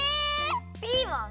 ピーマン？